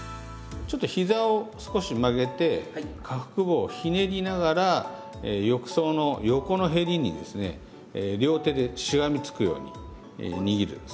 ちょっとひざを少し曲げて下腹部をひねりながら浴槽の横のへりにですね両手でしがみつくように握る。